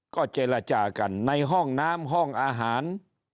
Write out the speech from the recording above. ก็เจรจากันในห้องน้ำห้องอาหาร